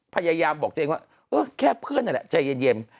พยายามบอกตัวเองว่าเออแค่เพื่อนนั่นแหละใจเย็น